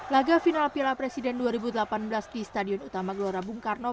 laga final piala presiden dua ribu delapan belas di stadion utama gelora bung karno